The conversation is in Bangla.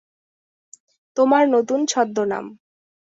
তোমার নতুন ছদ্মনাম।